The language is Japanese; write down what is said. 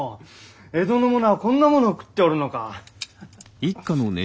江戸の者はこんなものを食っておるのか。